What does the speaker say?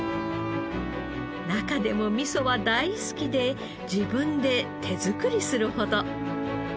中でも味噌は大好きで自分で手作りするほど。